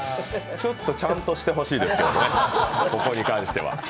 ちょっと、ちゃんとしてほしいですけどね、ここに関しては。